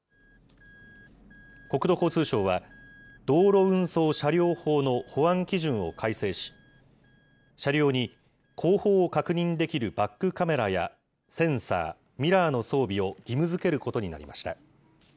国土交通省は、道路運送車両法の保安基準を改正し、車両に後方を確認できるバックカメラや、センサー、ミラーの装備を義務づけることになりました。